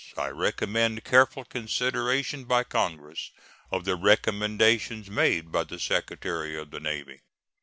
I recommend careful consideration by Congress of the recommendations made by the Secretary of the Navy.